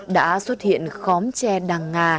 đã xuất hiện khóm tre đắng